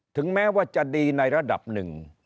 ถึงแม้ว่าจะดีในระดับหนึ่ง